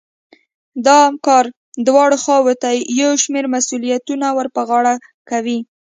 دا کار دواړو خواوو ته يو شمېر مسوليتونه ور په غاړه کوي.